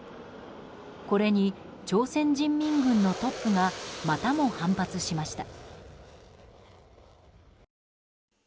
これに朝鮮人民軍のトップがまたも、反発しました。